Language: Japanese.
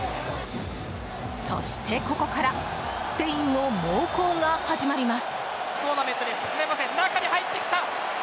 そして、ここからスペインの猛攻が始まります。